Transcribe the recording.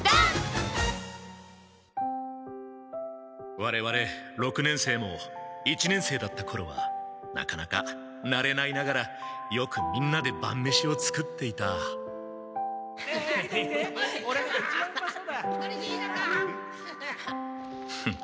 われわれ六年生も一年生だったころはなかなかなれないながらよくみんなで晩飯を作っていたフッ。